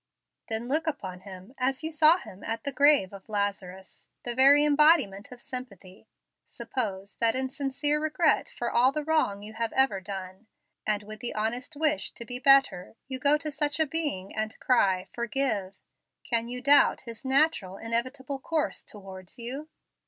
"Then look upon Him as you saw Him at the grave of Lazarus, the very embodiment of sympathy. Suppose that in sincere regret for all the wrong you have ever done, and with the honest wish to be better, you go to such a being and cry, 'Forgive.' Can you doubt His natural, inevitable course towards you?